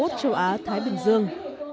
robocon châu á thái bình dương